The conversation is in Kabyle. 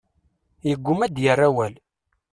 Yeggumma ad d-yerr awal.